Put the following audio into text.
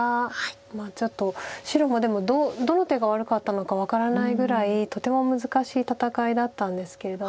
まあちょっと白もでもどの手が悪かったのか分からないぐらいとても難しい戦いだったんですけれども。